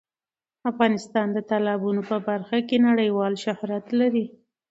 افغانستان د تالابونو په برخه کې نړیوال شهرت لري.